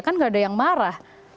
kan nggak ada yang marah